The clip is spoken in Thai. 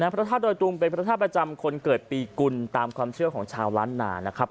พระธาตุดอยตุงเป็นพระธาตุประจำคนเกิดปีกุลตามความเชื่อของชาวล้านนานะครับ